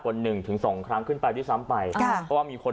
หนึ่งถึงสองครั้งขึ้นไปด้วยซ้ำไปค่ะเพราะว่ามีคน